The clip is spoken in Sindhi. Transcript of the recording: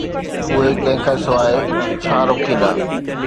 اهي ڪنهن کان سواءِ ڇا روڪيندا؟